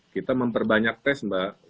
kita memperbanyak tes mbak